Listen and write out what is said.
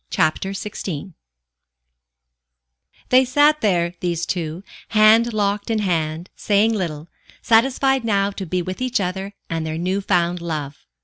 CHAPTER XVI They sat there, these two, hand locked in hand, saying little, satisfied now to be with each other and their new found love.